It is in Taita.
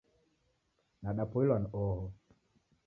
Nadapoilwa ni oho